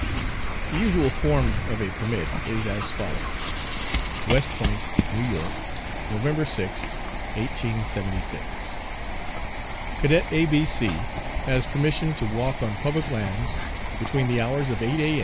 The usual form of a permit is as follows: WEST POINT, N. Y., November 6, 1876. Cadet A B C has permission to walk on public lands between the hours of 8 A.